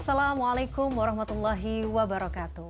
assalamualaikum warahmatullahi wabarakatuh